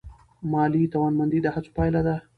مالي توانمندي د هڅو پایله ده.